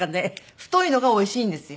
太いのがおいしいんですよ。